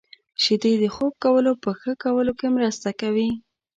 • شیدې د خوب کولو په ښه کولو کې مرسته کوي.